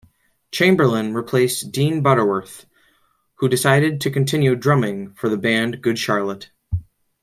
Chamberlain replaced Dean Butterworth, who decided to continue drumming for the band Good Charlotte.